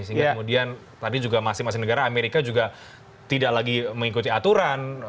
sehingga kemudian tadi juga masing masing negara amerika juga tidak lagi mengikuti aturan